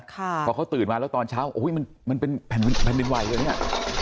เพราะเขาตื่นมาแล้วตอนเช้าโอ้ยมันป่ะแผ่นดินไหวได้อันนี้